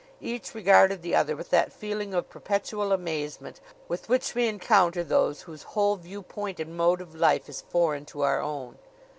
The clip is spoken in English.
Each regarded the other with that feeling of perpetual amazement with which we encounter those whose whole viewpoint and mode of life is foreign to our own.